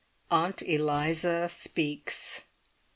AUNT ELIZA SPEAKS.